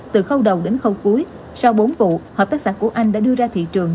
từ khâu đầu đến khâu cuối sau bốn vụ hợp tác xã của anh đã đưa ra thị trường